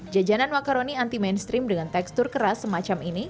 jajanan makaroni anti mainstream dengan tekstur keras semacam ini